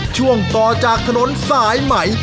ช่วงต่อจากถนนสายไหม